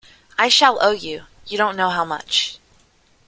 I shall owe you, you don't know how much.